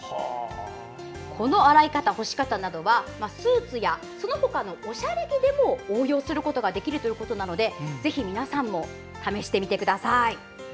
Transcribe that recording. この洗い方、干し方などはスーツやその他のおしゃれ着でも応用することができるということなのでぜひ皆さんも試してみてください。